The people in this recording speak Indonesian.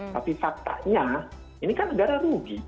tapi faktanya ini kan negara rugi